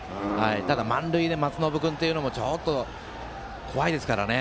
ただ、満塁で松延君というのもちょっと怖いですからね。